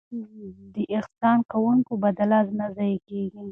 د احسان کوونکو بدله ضایع نه کیږي.